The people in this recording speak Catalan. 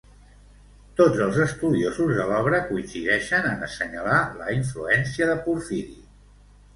Tots els estudiosos de l'obra coincideixen en assenyalar la influència de Porfiri.